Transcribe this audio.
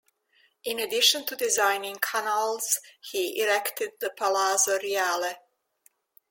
In addition to designing canals, he erected the Palazzo Reale.